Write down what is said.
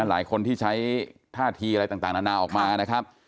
หลายคนที่ใช้ท่าทีอะไรต่างนานาออกมานะครับ